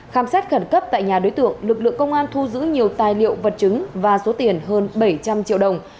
khám xét khẩn cấp tại nhà đối tượng lực lượng công an thu giữ nhiều tài liệu vật chứng và số tiền hơn bảy trăm linh triệu đồng